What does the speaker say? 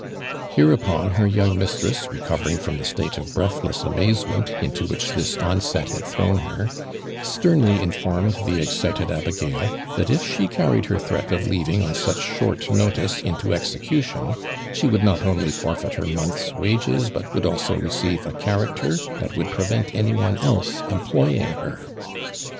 Hereupon her young mistress recovering from the stivte of breathless amazement in to which this onset had thrown her, sternly informed the excited abigail that if she carried her threat of leaving on such short notice, into execution, she would not only forfeit her month's wages but would also receive a character that would prevent any one else employing her.